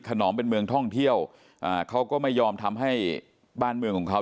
นอมเป็นเมืองท่องเที่ยวอ่าเขาก็ไม่ยอมทำให้บ้านเมืองของเขา